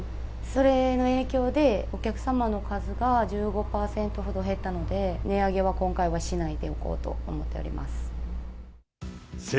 それの影響で、お客様の数が１５％ほど減ったので、値上げは今回はしないでおこうと思っております。